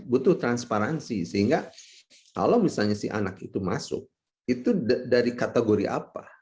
butuh transparansi sehingga kalau misalnya si anak itu masuk itu dari kategori apa